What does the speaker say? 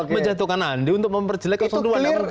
menjatuhkan andi untuk memperjelek ketuduhan